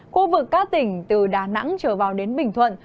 khu vực các tỉnh từ đà nẵng trở vào đến bình thuận